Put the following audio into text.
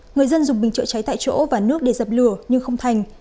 người dân dùng bình chữa cháy tại chỗ và nước để dập lửa nhưng không thành